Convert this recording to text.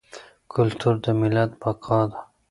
کلتور د ملت بقا ده.